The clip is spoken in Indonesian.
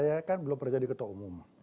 saya kan belum berada di ketua umum